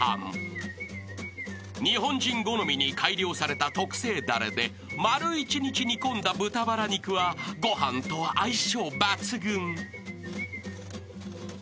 ［日本人好みに改良された特製だれで丸一日煮込んだ豚バラ肉はご飯と相性抜群］